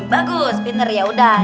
bagus pinter yaudah